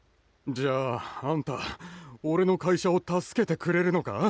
じゃああんた俺の会社を助けてくれるのか？